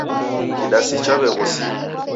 Kidasi chaw'eghosia.